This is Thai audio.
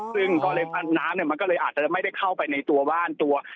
ซึ่งน้ำมันก็เลยอาจจะไม่ได้เข้าไปในตัวบ้านตัว